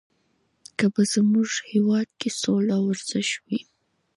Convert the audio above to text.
کله به زموږ په هېواد کې سوله او ورزش وي؟